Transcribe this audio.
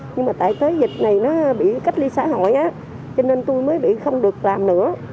nhưng mà tại tới dịch này nó bị cách ly xã hội á cho nên tôi mới bị không được làm nữa